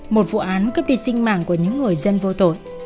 một vụ án cướp đi sinh mạng của những người dân vô tội